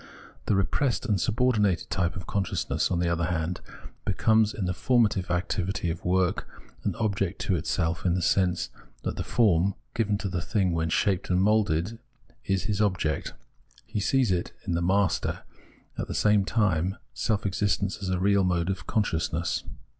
The re pressed and subordinated type of consciousness, on the other hand, becomes, in the formative activity of work, an object to itself, in the sense that the form, given to the thing when shaped and moulded, is his object ; he sees in the master, at the same time, self existence as a real mode of consciousness.